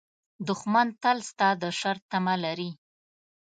دښمن تل ستا د شر تمه لري